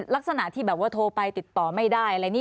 ลักษณะที่โทรไปติดต่อไม่ได้